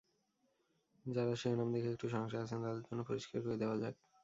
যারা শিরোনাম দেখে একটু সংশয়ে আছেন তাদের জন্য পরিষ্কার করে দেওয়া যাক।